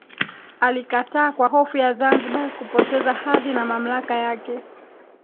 Alikataa kwa hofu ya Zanzibar kupoteza hadhi na mamlaka yake